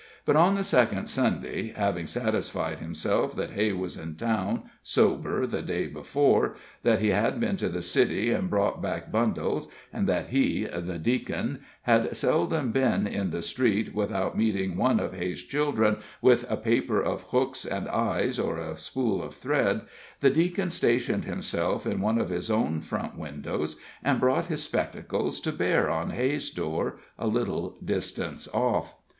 But on the second Sunday, having satisfied himself that Hay was in town, sober, the day before, that he had been to the city and brought back bundles, and that he (the Deacon) had seldom been in the street without meeting one of Hay's children with a paper of hooks and eyes or a spool of thread, the Deacon stationed himself in one of his own front windows, and brought his spectacles to bear on Hay's door, a little distance off.